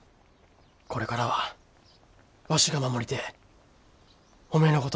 これからはわしが守りてえ。